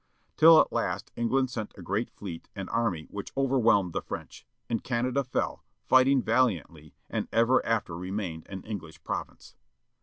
Till at last England sent a great fleet and army which overwhelmed the French. And Canada fell, fighting valiantly, and ever after remained an English province.